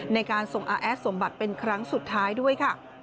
ในการส่งอาแอดสมบัติเป็นครั้งสุดท้ายด้วยค่ะ